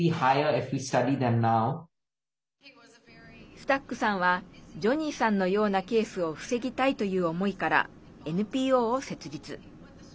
スタックさんはジョニーさんのようなケースを防ぎたいという思いからＮＰＯを設立。